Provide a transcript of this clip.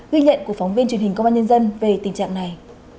ghi nhận của phóng viên truyền hình công an nhân dân về tình trạng này